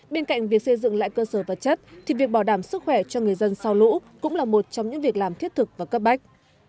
bên cạnh việc xây dựng lại cơ sở vật chất thì việc bảo đảm sức khỏe cho người dân sau lũ cũng là một trong những việc làm thiết thực và cấp bách